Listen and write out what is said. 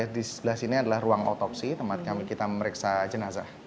di sebelah sini adalah ruang otopsi tempat kami kita memeriksa jenazah